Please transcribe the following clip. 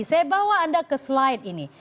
saya bawa anda ke slide ini